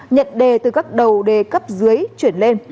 nhận đề từ các đầu đề cấp dưới chuyển lên